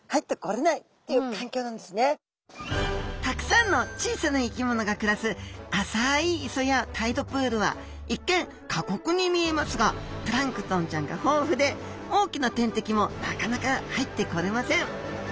たくさんの小さな生き物が暮らす浅い磯やタイドプールは一見過酷に見えますがプランクトンちゃんが豊富で大きな天敵もなかなか入ってこれません。